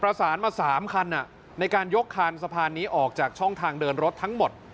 ประสานมา๓คันในการยกคันสะพานนี้ออกจากช่องทางเดินรถทั้งหมด